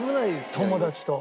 友達と。